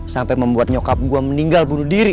sampai membuat nyokap gue meninggal bunuh diri